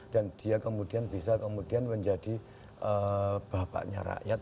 dan dia kemudian bisa kemudian menjadi bapaknya rakyat